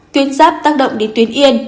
tuyến giáp tác động đến tuyến yên